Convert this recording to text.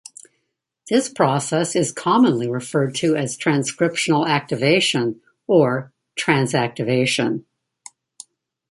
This process is commonly referred to as transcriptional activation, or transactivation.